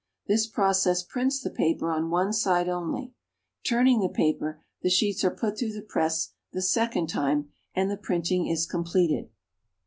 This process prints the paper on one side only; turning the paper, the sheets are put through the press the second time, and the printing is completed.